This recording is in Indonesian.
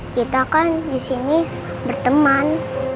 kita kan disini berteman